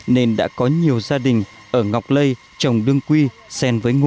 nên đã có nhiều gia đình ở ngọc lây trồng đương quy sen với ngô